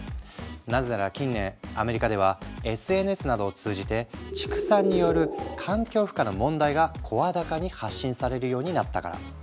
なぜなら近年アメリカではＳＮＳなどを通じて畜産による環境負荷の問題が声高に発信されるようになったから。